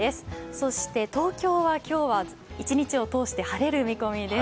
そして東京は今日は一日を通して晴れる見込みです。